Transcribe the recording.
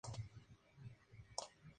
Licenciado en Geografía e Historia.